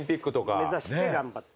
目指して頑張って。